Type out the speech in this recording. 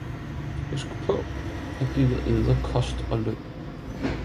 husk paa, jeg giver Eder Kost og Løn!